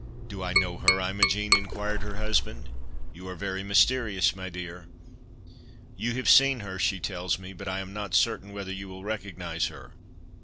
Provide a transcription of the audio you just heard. Do I know her, Imogen?" inquired her husband. "You are very mysterious, my dear!" "You have seen her, she tells me, but I am not certain whether you will recognise her.